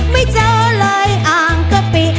ไม่เจอเลยอ่างกะปิ